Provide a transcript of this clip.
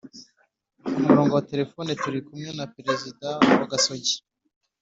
Ku murongo wa telephone turi kumwe na perezida wa gasogi